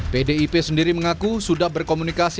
pdip sendiri mengaku sudah berkomunikasi